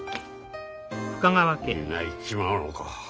みんな行っちまうのか。